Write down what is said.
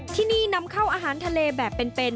ที่นี่นำเข้าอาหารทะเลแบบเป็น